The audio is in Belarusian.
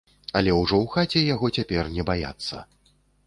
Але ўжо ў хаце яго цяпер не баяцца.